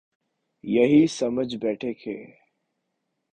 یہی سمجھ بیٹھے کہ